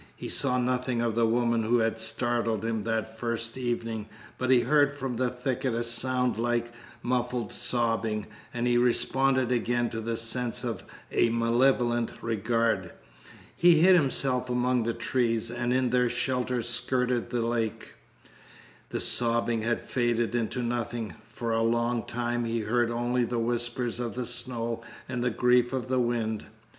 He saw nothing of the woman who had startled him that first evening, but he heard from the thicket a sound like muffled sobbing, and he responded again to the sense of a malevolent regard. He hid himself among the trees, and in their shelter skirted the lake. The sobbing had faded into nothing. For a long time he heard only the whispers of the snow and the grief of the wind.